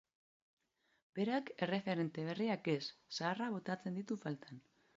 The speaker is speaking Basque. Berak erreferente berriak ez, zaharrak botatzen ditu faltan.